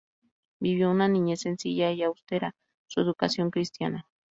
Vivió una niñez sencilla y austera, su educación cristiana.